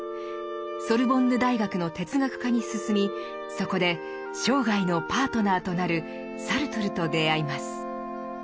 ソルボンヌ大学の哲学科に進みそこで生涯のパートナーとなるサルトルと出会います。